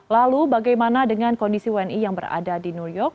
lalu bagaimana dengan kondisi wni yang berada di new york